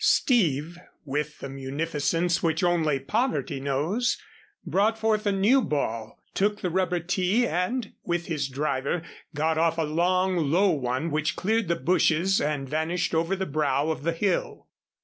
Steve, with the munificence which only poverty knows, brought forth a new ball, took the rubber tee and, with his driver, got off a long low one which cleared the bushes and vanished over the brow of the hill.